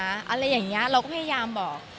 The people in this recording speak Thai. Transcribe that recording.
อะไรอย่างนี้เราก็พยายามบอก